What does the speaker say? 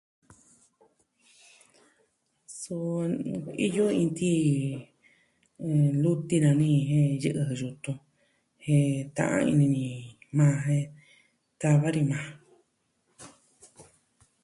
Suu iyo iin tii, luti nani jen yɨ'ɨ yutun jen ta'an ini ni na jen tava ni maa.